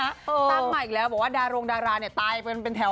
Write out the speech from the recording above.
ตั้งมาอีกแล้วบอกว่าดารงดาราเนี่ยตายเป็นแถว